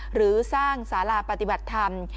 หรือสร้างสาราปฏิบัติธรรม